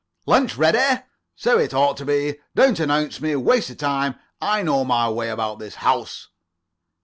"Lunch ready? So it ought to be. Don't announce me. Waste of time. I know my way about in this house."